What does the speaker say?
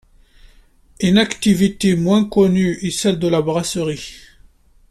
Une activité moins connue est celle de la brasserie.